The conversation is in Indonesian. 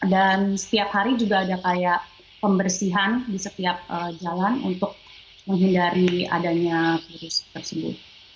dan setiap hari juga ada kayak pembersihan di setiap jalan untuk menghindari adanya virus tersebut